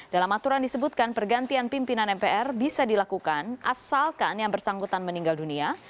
dalam aturan disebutkan pergantian pimpinan mpr bisa dilakukan asalkan yang bersangkutan meninggal dunia